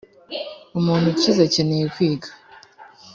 umuntu ukiza akeneye kwiga